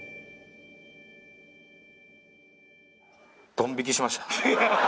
ドン引きしました。